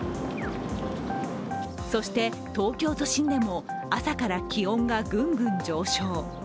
そして、東京都心でも朝から気温がぐんぐん上昇。